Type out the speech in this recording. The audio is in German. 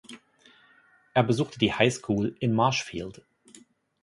Er besuchte die Highschool in Marshfield.